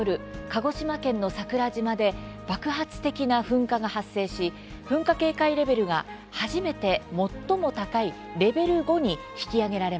鹿児島県の桜島で爆発的な噴火が発生し噴火警戒レベルが初めて最も高いレベル５に引き上げられました。